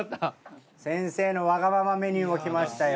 先生のわがままメニューも来ましたよ。